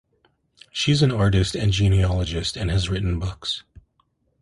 She is an artist and genealogist, and has written books.